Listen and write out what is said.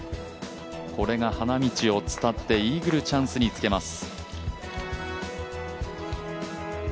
これが花道を伝ってイーグルチャンスにつけます。